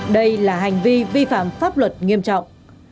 đây là hành vi vi phạm pháp luật nghiêm trọng